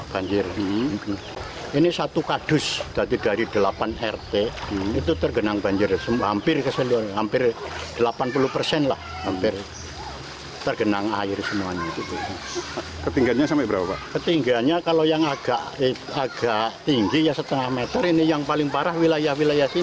berarti pada masuk ke rumah ya